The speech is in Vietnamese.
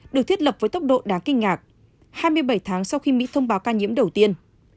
được thiết lập với tốc độ đáng kinh ngạc hai mươi bảy tháng sau khi mỹ thông báo ca nhiễm đầu tiên